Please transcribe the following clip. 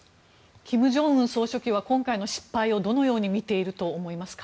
金正恩総書記は今回の失敗をどのように見ていると思いますか？